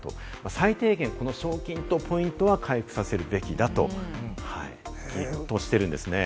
最低限、賞金とポイントは回復させるべきだと、主張しているんですね。